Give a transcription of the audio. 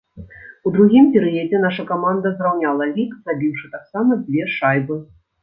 У другім перыядзе наша каманда зраўняла лік, забіўшы таксама дзве шайбы.